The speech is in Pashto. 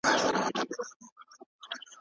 که بنسټونه واک ولري چارې سمې پرمخ ځي.